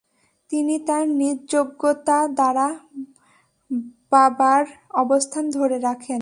তিনি তার নিজ যোগ্যতা দ্বারা বাবার অবস্থান ধরে রাখেন।